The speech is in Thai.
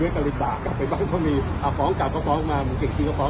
ด้วยกริจากลับไปบ้านเขามีอ่าฟ้องกลับก็ฟ้องมามึงเก่งที่ก็ฟ้อง